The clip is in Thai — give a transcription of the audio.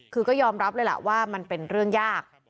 คือก็ยอมรับเลยล่ะว่ามันเป็นเรื่องยาก